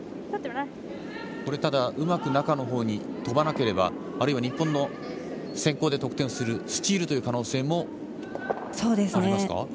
ただ、うまく中のほうに飛ばなければあるいは日本の先攻で得点をするスチールという可能性もありますか？